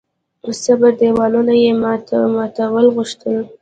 د صبر دېوالونه یې ماتول غوښتل.